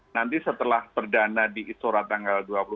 nanti setelah perdana di istora tanggal dua puluh